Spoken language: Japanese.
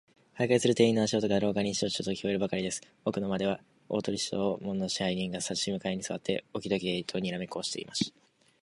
巡回する店員の足音が、廊下にシトシトと聞こえるばかりです。奥の間では、大鳥氏と門野支配人が、さし向かいにすわって、置き時計とにらめっこをしていました。